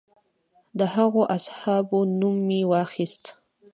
د هغو اصحابو نوم مې واخیست.